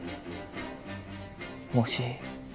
もし